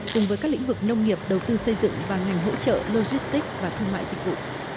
cùng với các lĩnh vực nông nghiệp đầu tư xây dựng và ngành hỗ trợ logistics và thương mại dịch vụ